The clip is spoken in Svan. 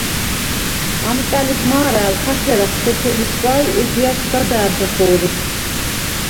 ამკა̈ლიბ მა̄რა̄̈ლ ქა თერახ სოფელისგა ი ეჯჲა̈რს სგა და̄̈რ ხეხო̄ლი.